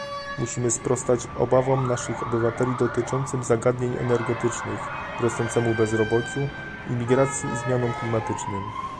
Musimy sprostać obawom naszych obywateli dotyczącym zagadnień energetycznych, rosnącemu bezrobociu, imigracji i zmianom klimatycznym